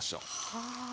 はあ。